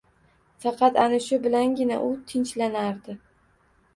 Faqat ana shu bilangina u tinchlanardi.